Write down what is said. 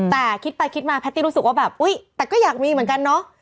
แต่คิดไปคิดมาแพตตี้รู้สึกว่าแบบอุ๊ยแต่ก็อยากมีเหมือนกันเนาะ